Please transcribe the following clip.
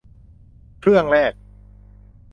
เครื่องแรก